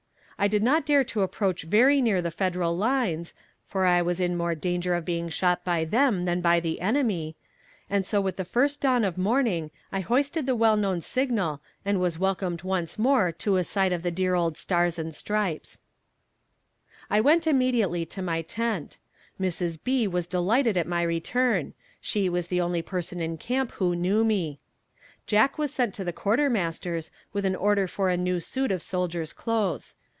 I did not dare to approach very near the Federal lines, for I was in more danger of being shot by them than by the enemy; so I spent the remainder of the night within hailing distance of our lines, and with the first dawn of morning I hoisted the well known signal and was welcomed once more to a sight of the dear old stars and stripes. I went immediately to my tent. Mrs. B. was delighted at my return; she was the only person in camp who knew me. Jack was sent to the quartermaster's with an order for a new suit of soldier's clothes.